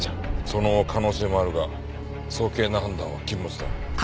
その可能性もあるが早計な判断は禁物だ。